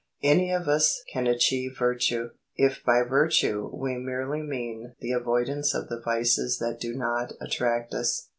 Any of us can achieve virtue, if by virtue we merely mean the avoidance of the vices that do not attract us.